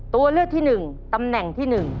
ตัวเลือกที่หนึ่งตำแหน่งที่หนึ่ง